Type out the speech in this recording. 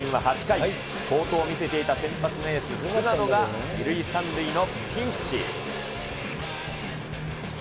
さあ、ヒデさん、３位巨人は８回、好投を見せていた先発のエース、菅野が２塁３塁のピンチ。